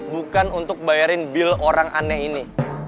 bukan untuk bayarin bill orang aneh ini